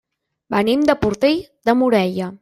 Venim de Portell de Morella.